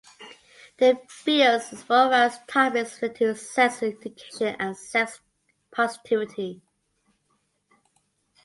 Their videos explore various topics related to sex education and sex positivity.